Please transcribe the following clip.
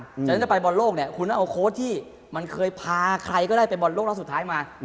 ฉะนั้นจะไปบอลโลกเนี่ยคุณต้องเอาโค้ชที่มันเคยพาใครก็ได้ไปบอลโลกรอบสุดท้ายมา